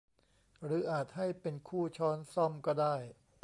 หรืออาจให้เป็นคู่ช้อนส้อมก็ได้